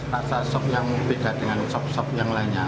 rasa sob yang beda dengan sob sob yang lainnya